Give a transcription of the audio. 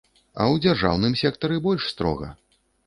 А ў дзяржаўным сектары больш строга.